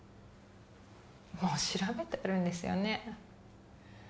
もう調べてあるんですよね